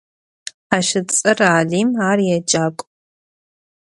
Aş ıts'er Alim, ar yêcak'u.